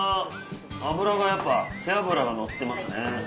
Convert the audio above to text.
脂がやっぱ背脂がのってますね。